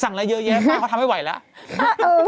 สั่งอะไรเยอะแยะป้าเขาทำให้ไหวแล้ว